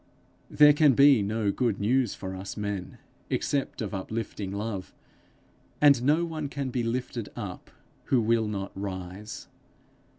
There can be no good news for us men, except of uplifting love, and no one can be lifted up who will not rise.